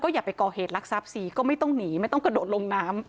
อย่าไปก่อเหตุลักษัพสีก็ไม่ต้องหนีไม่ต้องกระโดดลงน้ำ